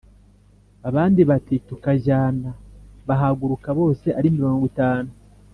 Abandi bati: "Tukajyana" Bahaguruka bose; ari mirongo itanu